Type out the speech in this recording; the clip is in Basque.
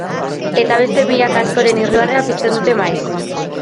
Eta beste milaka askoren irribarrea pizten dute maiz.